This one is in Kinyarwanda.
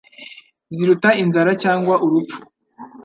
ziruta inzara cyangwa urupfu.